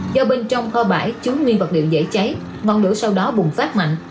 do bên trong kho bãi chứa nguyên vật liệu dễ cháy ngọn lửa sau đó bùng phát mạnh